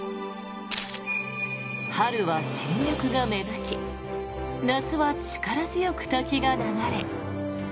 春は新緑が芽吹き夏は力強く滝が流れ